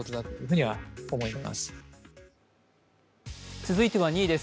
続いては２位です。